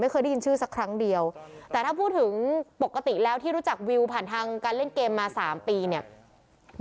เคยได้ยินชื่อสักครั้งเดียวแต่ถ้าพูดถึงปกติแล้วที่รู้จักวิวผ่านทางการเล่นเกมมาสามปีเนี่ย